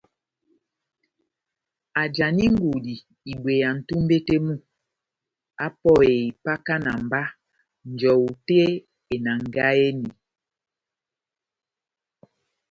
ajani ngudi ibweya nʼtumbe tɛh mu apɔhe ipakana mba njɔwu tɛh enangahi eni.